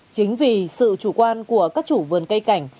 chính vì sự chủ quan của các chủ vườn cây cảnh